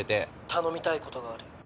頼みたいことがある。